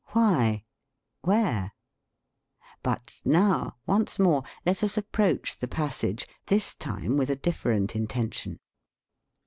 Why? Where? But now, once more, let us approach the passage, this time with a different intention.